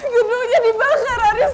gedungnya dibakar haris